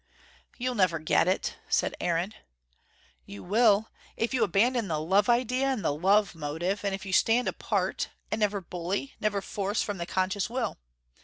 "You'll never get it," said Aaron. "You will, if you abandon the love idea and the love motive, and if you stand apart, and never bully, never force from the conscious will.